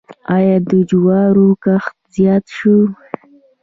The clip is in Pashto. آیا د جوارو کښت زیات شوی؟